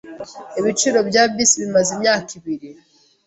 Ibiciro bya bisi bimaze imyaka ibiri.